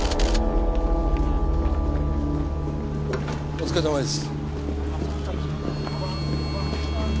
お疲れさまです。